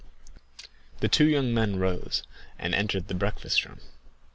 _" The two young men arose and entered the breakfast room.